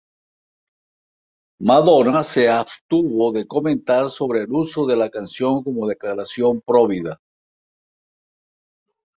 Madonna se abstuvo de comentar sobre el uso de la canción como declaración provida.